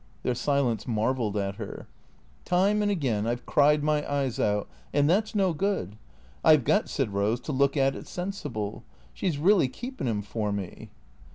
Their silence marvelled at her. " Time and again I 've cried my eyes out, and thai 's no good. I 've got," said Rose, " to look at it sensible. She 's really keepin' 'im for me."